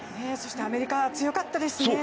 アメリカ、強かったですね。